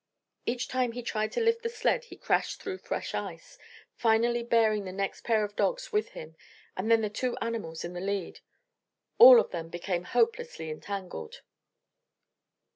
Each time he tried to lift the sled he crashed through fresh ice, finally bearing the next pair of dogs with him, and then the two animals in the lead. All of them became hopelessly entangled.